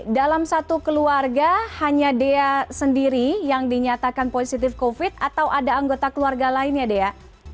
dalam satu keluarga hanya dea sendiri yang dinyatakan positif covid atau ada anggota keluarga lainnya dea